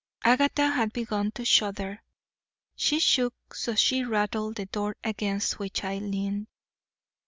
Agatha had begun to shudder. She shook so she rattled the door against which I leaned.